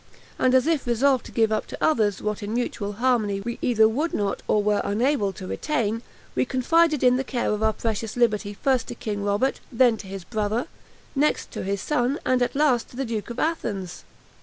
And as if resolved to give up to others, what in mutual harmony we either would not or were unable to retain, we confided the care of our precious liberty first to King Robert, then to his brother, next to his son, and at last to the duke of Athens.